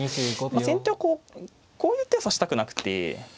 先手はこうこういう手を指したくなくて。